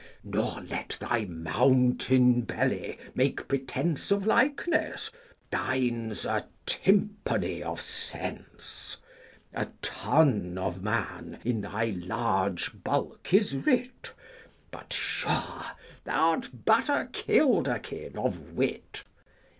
Nor let thy mountain belly make pretence Of likeness ; thine 's a tympany of sense. A tun of man in thy large bulk is writ, But sure thou 'rt but a kilderkin of wit.